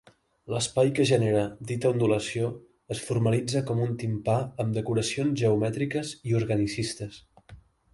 L'espai que genera dita ondulació es formalitza com un timpà amb decoracions geomètriques i organicistes.